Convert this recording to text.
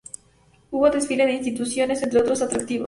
Hubo desfile de instituciones, entre otros atractivos.